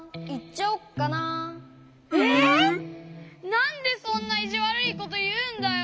なんでそんないじわるいこというんだよ！